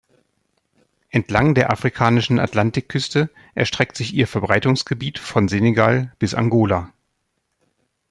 Entlang der afrikanischen Atlantikküste erstreckt sich ihr Verbreitungsgebiet von Senegal bis Angola.